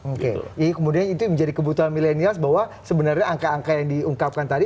oke kemudian itu yang menjadi kebutuhan milenial bahwa sebenarnya angka angka yang diungkapkan tadi